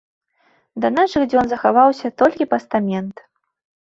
Да нашых дзён захаваўся толькі пастамент.